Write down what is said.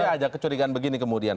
jadi ada kecurigaan begini kemudian